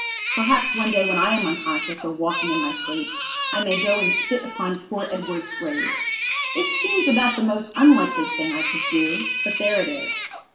Perhaps one day when I am unconscious or walking in my sleep I may go and spit upon poor Edward's grave. It seems about the most unlikely thing I could do; but there it is.